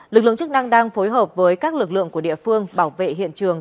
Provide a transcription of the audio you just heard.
lực lượng chức năng đang phối hợp với các lực lượng của địa phương bảo vệ hiện trường